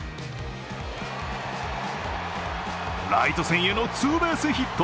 ライト線へのツーベースヒット。